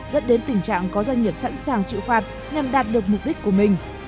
dẫn đến tình trạng có doanh nghiệp sẵn sàng chịu phạt nhằm đạt được mục đích của mình